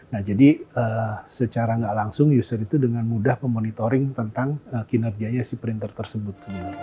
nah jadi secara gak langsung user itu dengan mudah memonitoring tentang kinerjanya si printer tersebut